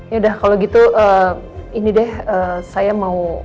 yaudah kalau gitu ini deh saya mau